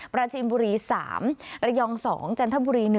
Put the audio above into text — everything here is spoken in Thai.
ปราจีนบุรี๓ระยอง๒จันทบุรี๑